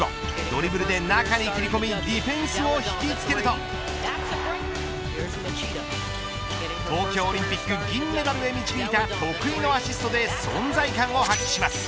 ドリブルで中に切り込みディフェンスを引きつけると東京オリンピック銀メダルへ導いた得意のアシストで存在感を発揮します。